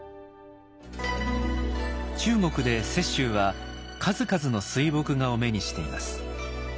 中国で雪舟は数々の水墨画を目にしています。